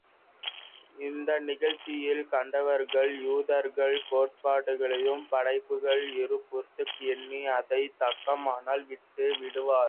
இந்த நிகழ்ச்சியைக் கண்டார்கள் யூதர்கள் கோட்டைக்குள்ளும் படைகள் இருப்புதர்க எண்ணி, அதைக் தாக்காமல் விட்டு விட்டார்கள்.